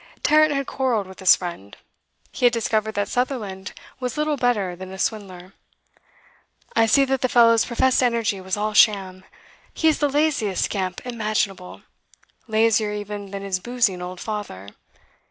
Tarrant had quarrelled with his friend. He had discovered that Sutherland was little better than a swindler. 'I see that the fellow's professed energy was all sham. He is the laziest scamp imaginable; lazier even than his boozing old father.